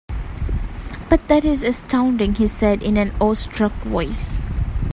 "But that is astounding," he said, in an awe-struck voice.